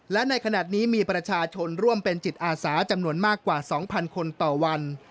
และในขณะนี้มีประชาชนร่วมเป็นจิตอาสาจำนวนมากกว่า๒๐๐คนต่อวัน